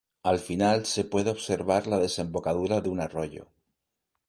Al final se puede observar la desembocadura de un arroyo.